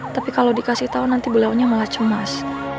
tapi kalau dikasih tahu nanti beliaunya malah cemas